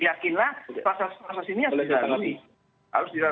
yakinlah proses proses ini harus dilalui